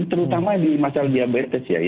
terutama di masyarakat diabetes